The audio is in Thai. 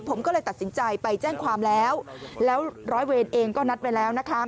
ผมก็เลยตัดสินใจไปแจ้งความแล้วแล้วร้อยเวรเองก็นัดไว้แล้วนะคะ